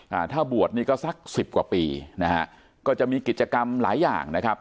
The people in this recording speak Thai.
อ่าถ้าบวชนี่ก็สักสิบกว่าปีนะฮะก็จะมีกิจกรรมหลายอย่างนะครับ